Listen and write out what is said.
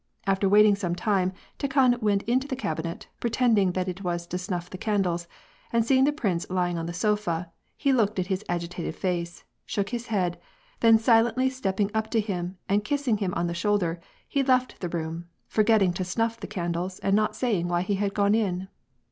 After waiting some time Tikhon went into the cabinet, pre tending that it was to snuff the candles, and seeing the prince lying on the sofa, he looked at his agitated face, shook his head, then silently stepping up to him and kissing him on the shoulder, he left the room forgetting to snuff the candles and not saying why he had gone in.